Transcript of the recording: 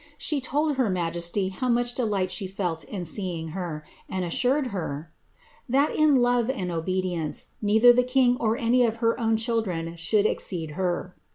She told her Ouuesty how much delight she felt in seeing her, and assured her ^* that, in love and obedience, neither the king or any of her own children should exceed her."